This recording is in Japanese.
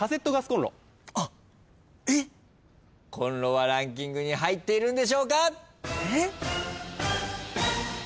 コンロはランキングに入っているんでしょうか？